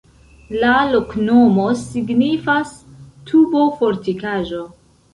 La loknomo signifas: tubo-fortikaĵo.